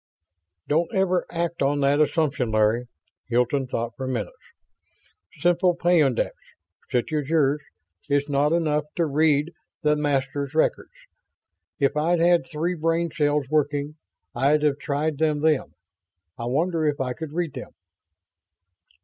"Don't ever act on that assumption, Larry." Hilton thought for minutes. "Simple peyondix, such as yours, is not enough to read the Masters' records. If I'd had three brain cells working I'd've tried them then. I wonder if I could read them?"